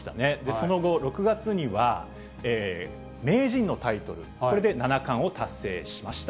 その後、６月には、名人のタイトル、これで七冠を達成しました。